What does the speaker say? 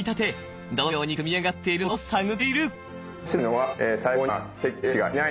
はい！